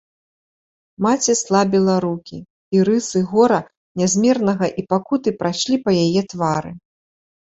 Маці слабіла рукі, і рысы гора нязмернага і пакуты прайшлі па яе твары.